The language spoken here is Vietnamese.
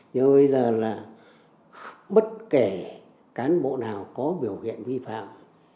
nhưng bây giờ là bất kể cán bộ nào có biểu hiện vi phạm